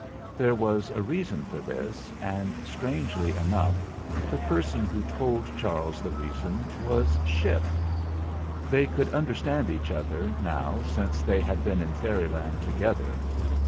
There was a reason for this, and, strangely enough, the person who told Charles the reason was Ship. They could understand each other now 262 MR. MELES 263 since they had been in Fairyland together.